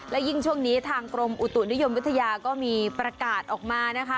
และยิ่งช่วงนี้ทางกรมอุตุนิยมวิทยาก็มีประกาศออกมานะคะ